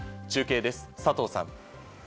中継です、佐藤さん。